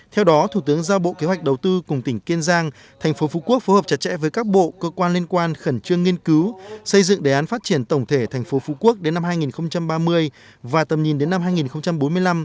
theo đó thủ tướng giao bộ kế hoạch đầu tư cùng tỉnh kiên giang thành phố phú quốc phù hợp chặt chẽ với các bộ cơ quan liên quan khẩn trương nghiên cứu xây dựng đề án phát triển tổng thể thành phố phú quốc đến năm hai nghìn ba mươi và tầm nhìn đến năm hai nghìn bốn mươi năm